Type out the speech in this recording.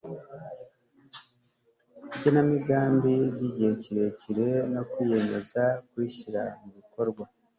igenamigambi ry'igihe kirekire no kwiyemeza kurishyira mu bikorwa